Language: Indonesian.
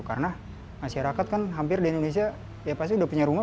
karena masyarakat kan hampir di indonesia ya pasti udah punya rumah